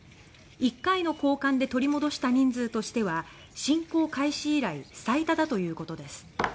１回の交換で取り戻した人数としては侵攻開始以来最多だということです。